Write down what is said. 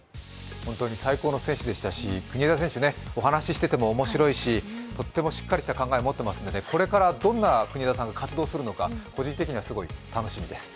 本当に最高の選手でしたし、国枝選手ね、お話ししても面白いし、とってもしっかりした考えを持っていますので、これからどんな国枝さんが活動するのか、個人的には楽しみです。